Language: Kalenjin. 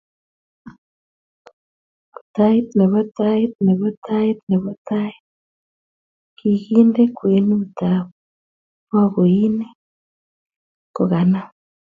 Tait nebo tait nebo tait nebo tait, nikikinde kwenut ab bakoinik, kokanam.